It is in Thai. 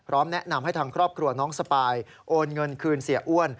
แนะนำให้ทางครอบครัวน้องสปายโอนเงินคืนเสียอ้วน